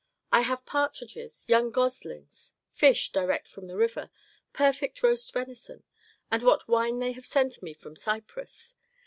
I have partridges, young goslings, fish direct from the river, perfect roast venison. And what wine they have sent me from Cyprus!